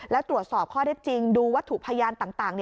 แล้วตรวจสอบข้อได้จริงดูวัตถุพยานต่าง